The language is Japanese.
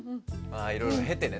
あいろいろ経てね。